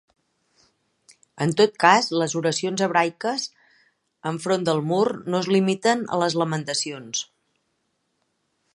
En tot cas, les oracions hebraiques enfront del mur no es limiten a les lamentacions.